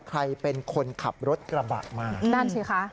ใครเป็นคนขับรถกระบะมานั่นสิคะ